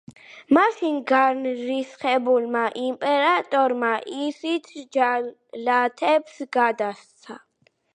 მაშინ განრისხებულმა იმპერატორმა ისიც ჯალათებს გადასცა.